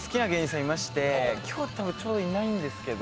今日多分ちょうどいないんですけど。